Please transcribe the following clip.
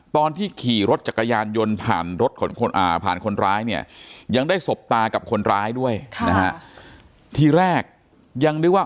ตอนที่ขี่รถจักรยานยนต์ผ่านคนร้ายเนี่ยยังได้สบตากับคนร้ายด้วยนะฮะทีแรกยังนึกว่า